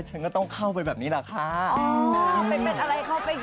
ฉันก็ต้องเข้าไปแบบนี้แหละค่ะ